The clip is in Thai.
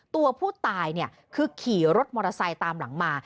ตัวผู้ตายคือขี่รถมอเตอร์ไซค์ตามหลังมา